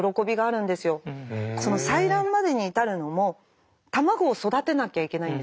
その採卵までに至るのも卵を育てなきゃいけないんですね。